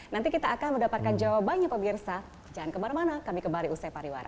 nanti kita akan mendapatkan jawabannya pemirsa jangan kemana mana kami kembali usai pariwara